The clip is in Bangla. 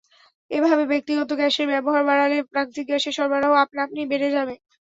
এভাবে ব্যক্তিগত গ্যাসের ব্যবহার বাড়ালে প্রাকৃতিক গ্যাসের সরবরাহ আপনাআপনিই বেড়ে যাবে।